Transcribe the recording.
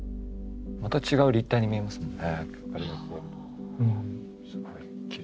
また違う立体に見えますもんね。